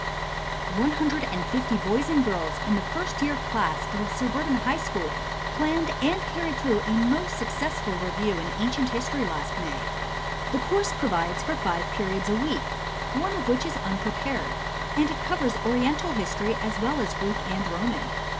One hundred and fifty boys and girls in the first year class of a suburban high school planned and carried through a most successful review in Ancient History last May. The course provides for five periods a week (one of which is unprepared), and it covers Oriental History as well as Greek and Roman.